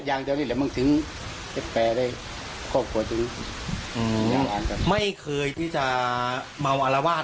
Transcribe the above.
ไม่เคยที่จะเมาอลาวาสไหมครับ